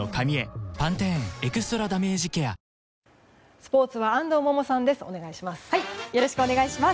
スポーツは安藤萌々さんです。